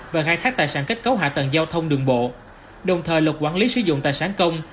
và khai thác tài sản kết cấu hạ tầng giao thông đường bộ đồng thời luật quản lý sử dụng tài sản công